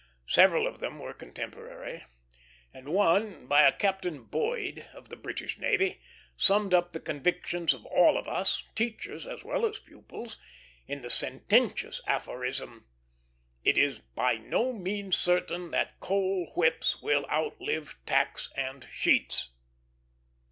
Several of them were contemporary; and one, by a Captain Boyd of the British navy, summed up the convictions of us all, teachers as well as pupils, in the sententious aphorism: "It is by no means certain that coal whips will outlive tacks and sheets."